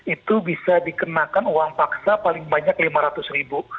itu bisa dikenakan uang paksa paling banyak lima ratus ribu